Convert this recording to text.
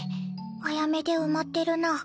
アヤメで埋まってるな。